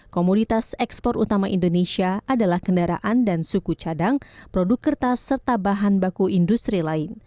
komunitas ekspor utama indonesia adalah kendaraan dan suku cadang produk kertas serta bahan baku industri lain